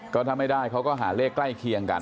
ก็ถ้าไม่ได้เขาก็หาเลขใกล้เคียงกัน